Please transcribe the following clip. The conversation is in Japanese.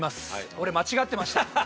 俺間違ってました。